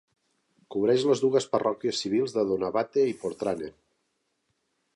Cobreix les dues parròquies civils de Donabate i Portrane.